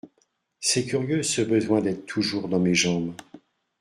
C'est curieux, ce besoin d'être toujours dans mes jambes !